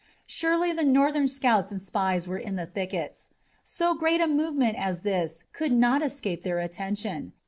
Surely the Northern scouts and spies were in the thickets. So great a movement as this could not escape their attention.